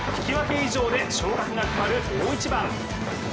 以上で昇格が決まる大一番。